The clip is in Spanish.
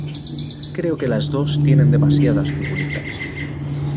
Creo que las dos tienen demasiadas figuritas.